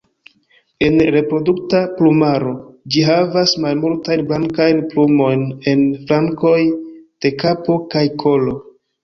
En reprodukta plumaro ĝi havas malmultajn blankajn plumojn en flankoj de kapo kaj kolo.